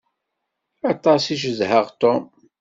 Aṭas i cedhaɣ Tom.